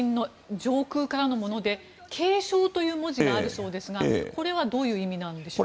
上空からのもので継承という文字があるそうですがこれはどういう意味なんでしょうか。